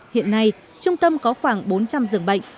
hiện nay trung tâm có khoảng bốn trăm linh dường bệnh